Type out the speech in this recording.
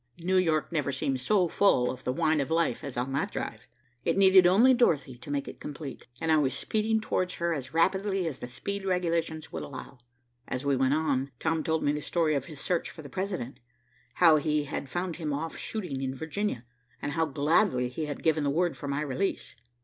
New York never seemed so full of the wine of life as on that drive. It needed only Dorothy to make it complete, and I was speeding towards her as rapidly as the speed regulations would allow. As we went on, Tom told me the story of his search for the President. How he had found him off shooting in Virginia and how gladly he had given the word for my release.